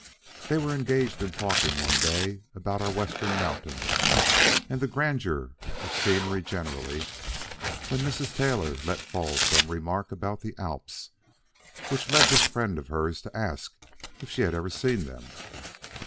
They were engaged in talking one day about our Western mountains and the grandeur of scenery generally, when Mrs. Taylor let fall some remark about the Alps, which led this friend of hers to ask if she had ever seen them.